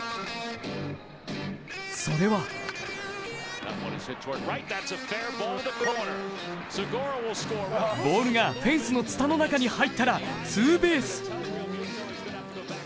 それはボールがフェンスのツタの中に入ったらツーベース。